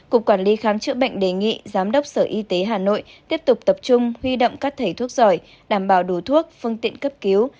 cục quản lý khám chữa bệnh đề nghị giám đốc sở y tế hà nội tiếp tục tập trung huy động các thầy thuốc giỏi đảm bảo đủ thuốc phương tiện cấp cứu